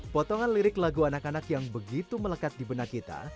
potongan lirik lagu anak anak yang begitu melekat di benak kita